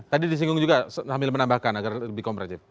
tadi disinggung juga sambil menambahkan agar lebih kompleks